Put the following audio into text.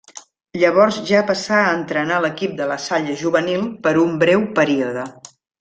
Llavors ja passà a entrenar l'equip de La Salle juvenil per un breu període.